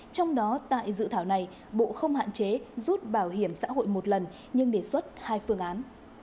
trong đó tại dự thảo này bộ không hạn chế rút bảo hiểm xã hội một lần nhưng đề xuất hai phương án